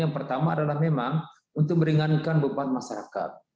yang pertama adalah memang untuk meringankan beban masyarakat